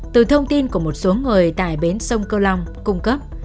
từ thông tin của một số người tại bến sông câu long cung cấp